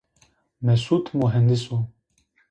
Mesûd muhendis o